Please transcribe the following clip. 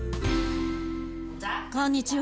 こんにちは。